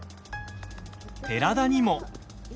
寺田にも。